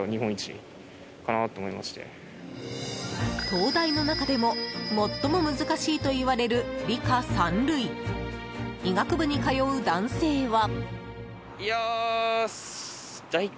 東大の中でも最も難しいといわれる理科三類医学部に通う男性は。